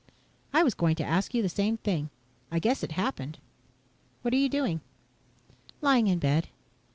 "I was going to ask you the same thing. I guess it happened. What are you doing?" "Lying in bed."